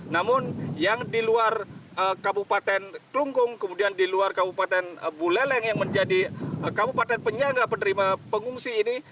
namun yang di luar kabupaten klungkung kemudian di luar kabupaten buleleng yang menjadi kabupaten penyangga penerima pengungsi ini